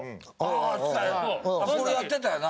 ああーこれやってたよな？